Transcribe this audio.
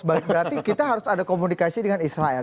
berarti kita harus ada komunikasi dengan israel